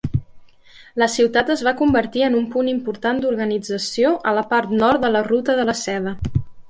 La ciutat es va convertir en un punt important d'organització a la part nord de la ruta de la seda.